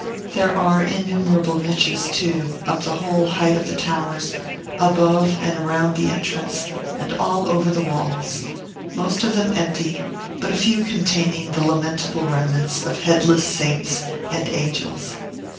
There are innumerable niches, too, up the whole height of the towers, above and around the entrance, and all over the walls: most of them empty, but a few containing the lamentable remnants of headless saints and angels.